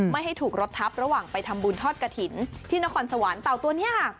ไม่ให้ถูกรถทับระหว่างไปทำบุญทอดกระถิ่นที่นครสวรรค์เต่าตัวนี้ค่ะ